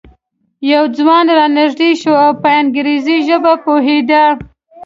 یو ځوان را نږدې شو او په انګریزي ژبه پوهېده.